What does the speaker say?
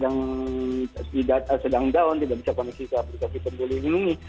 nah kalau nanti ada aplikasi yang sedang down tidak bisa koneksi ke aplikasi peduli lindungi